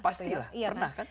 pasti lah pernah kan